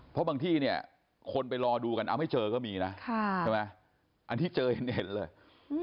เพราะบางที่คนไปรอดูกันเอาไม่เจอก็มีนะอันนี้เจอเห็นเลย